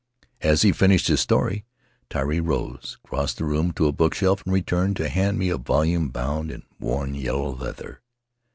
As he finished his story Tari rose, crossed the room to a bookshelf, and returned to hand me a volume bound in worn yellow leather.